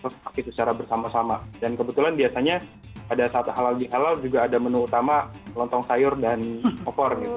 dan kebetulan biasanya pada saat halal di halal juga ada menu utama lontong sayur dan opor